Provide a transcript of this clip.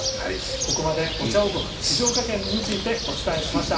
ここまでお茶王国、静岡県についてお伝えしました。